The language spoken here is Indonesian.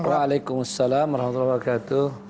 waalaikumsalam warahmatullahi wabarakatuh